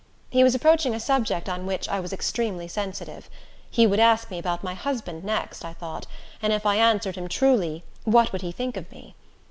He was approaching a subject on which I was extremely sensitive. He would ask about my husband next, I thought, and if I answered him truly, what would he think of me?